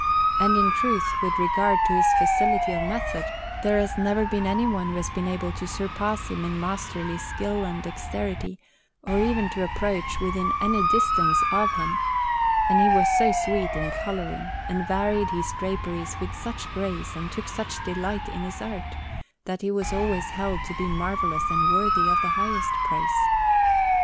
And, in truth, with regard to his facility of method, there has never been anyone who has been able to surpass him in masterly skill and dexterity, or even to approach within any distance of him; and he was so sweet in colouring, and varied his draperies with such grace, and took such delight in his art, that he was always held to be marvellous and worthy of the highest praise.